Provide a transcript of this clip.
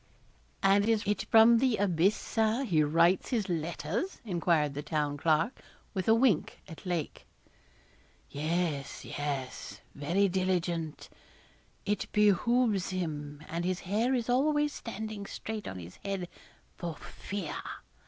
'And is it from the abyss, Sir, he writes his letters?' enquired the Town Clerk, with a wink at Lake. 'Yes, yes, very diligent; it behoves him; and his hair is always standing straight on his head for fear.